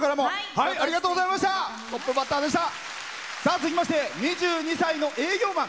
続きまして２２歳の営業マン。